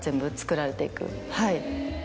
はい。